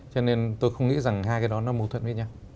cho nên tôi không nghĩ rằng hai cái đó nó mâu thuẫn với nhau